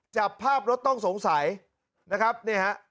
จับภาพรถต้องสงสัยนะครับเนี่ยฮะ